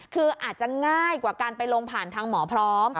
คืออาจจะง่ายกว่าการไปลงผ่านทางหมอพร้อม